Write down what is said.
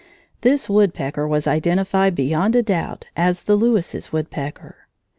This woodpecker was identified beyond a doubt as the Lewis's woodpecker.